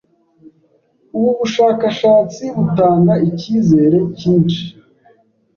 ubu bushakashatsi butanga icyizere kinshi